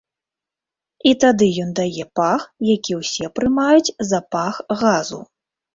І тады ён дае пах, які ўсё прымаюць за пах газу.